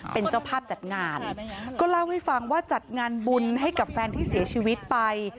เป็นเจ้าภาพจัดงานก็เล่าให้ฟังว่าจัดงานบุญให้กับแฟนที่เสียชีวิตไป